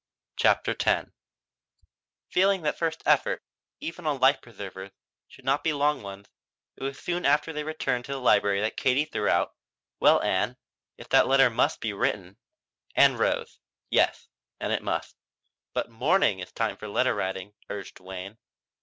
CHAPTER X Feeling that first efforts, even on life preservers, should not be long ones, it was soon after they returned to the library that Katie threw out: "Well, Ann, if that letter must be written " Ann rose. "Yes, and it must." "But morning is the time for letter writing," urged Wayne.